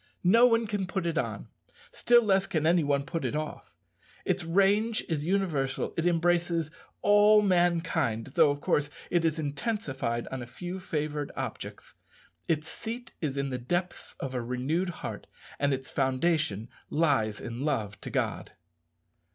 No one can put it on; still less can any one put it off. Its range is universal; it embraces all mankind, though, of course, it is intensified on a few favoured objects; its seat is in the depths of a renewed heart, and its foundation lies in love to God.